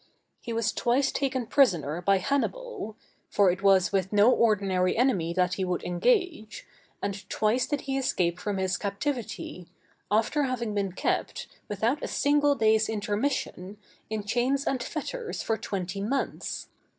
He was twice taken prisoner by Hannibal, (for it was with no ordinary enemy that he would engage,) and twice did he escape from his captivity, after having been kept, without a single day's intermission, in chains and fetters for twenty months.